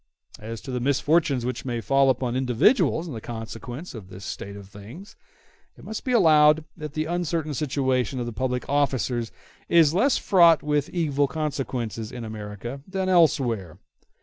As to the misfortunes which may fall upon individuals in consequence of this state of things, it must be allowed that the uncertain situation of the public officers is less fraught with evil consequences in America than elsewhere.